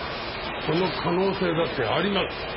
その可能性だってあります。